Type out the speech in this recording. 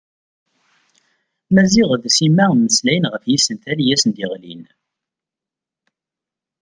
Maziɣ d Sima mmeslayen ɣef yisental i asen-d-yeɣlin.